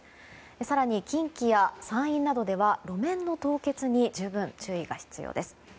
更に近畿や山陰などでは路面の凍結に十分注意が必要です。